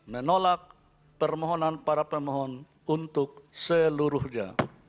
menolak permohonan para pemohon untuk seluruhnya